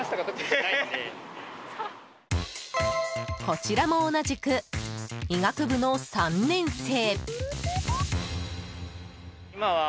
こちらも同じく医学部の３年生。